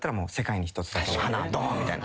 ドーンみたいな。